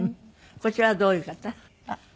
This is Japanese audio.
こちらはどういう方？